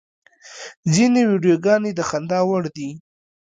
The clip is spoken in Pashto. ځینې ویډیوګانې د خندا وړ دي.